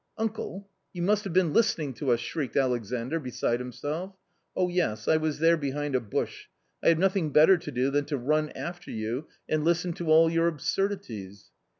" Uncle ! you must have been listening to us !" shrieked Alexandr beside himself. " Yes, I was there behind a bush. I have nothing better to do than to run after you and listen to all your absurdities."